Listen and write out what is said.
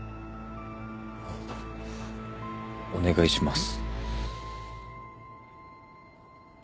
お願いします。